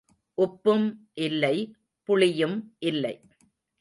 உப்பும் இல்லை, புளியும் இல்லை.